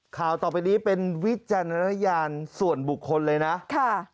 ข่าวต่อไปนี้เป็นวิจารณญาณส่วนบุคคลเลยนะค่ะ